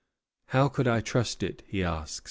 "How could I trust it?" he asks.